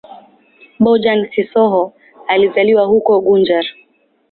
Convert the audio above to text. Bojang-Sissoho alizaliwa huko Gunjur.